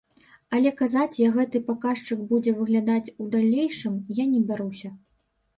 Але казаць, як гэты паказчык будзе выглядаць у далейшым, я не бяруся.